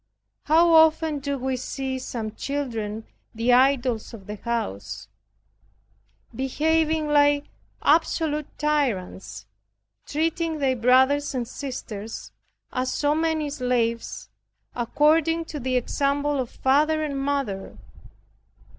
How often do we see some children the idols of the house, behaving like absolute tyrants, treating their brothers and sisters as so many slaves according to the example of father and mother.